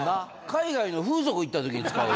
海外の風俗行った時に使う。